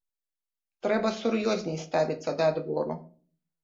Трэба сур'ёзней ставіцца да адбору.